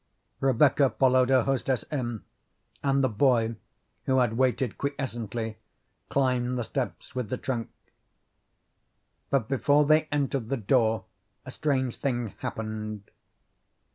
Rebecca followed her hostess in, and the boy, who had waited quiescently, climbed the steps with the trunk. But before they entered the door a strange thing happened.